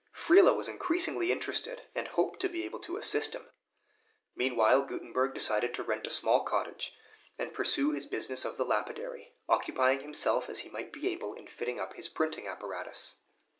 Friele was increasingly interested, and hoped to be able to assist him; meanwhile Gutenberg decided to rent a small cottage, and pursue his business of the lapidary; occupying himself as he might be able, in fitting up his printing apparatus.